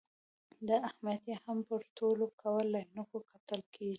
دا اهمیت یې هم د پروتوکول له عینکو کتل کېږي.